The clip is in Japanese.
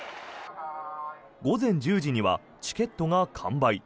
午前１０時にはチケットが完売。